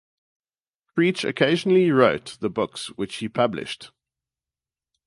Creech occasionally wrote the books which he published.